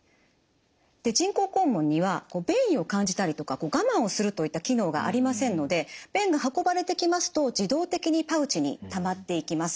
人工肛門には便意を感じたりとか我慢をするといった機能がありませんので便が運ばれてきますと自動的にパウチにたまっていきます。